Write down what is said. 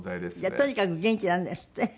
とにかく元気なんですって？